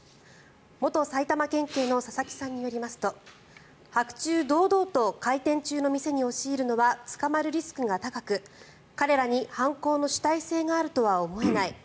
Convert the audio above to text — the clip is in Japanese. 元埼玉県警の佐々木さんによりますと白昼堂々と開店中の店に押し入るのは捕まるリスクが高く彼らに犯行の主体性があるとは思えない。